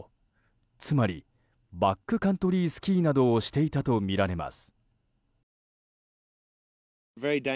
つまりバックカントリースキーなどをしていたとみられます。